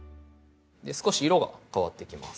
少し色が変わってきます